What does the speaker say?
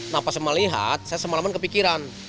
nah pas melihat saya semalaman kepikiran